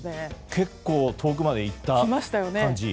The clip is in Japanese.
結構遠くまで行った感じ。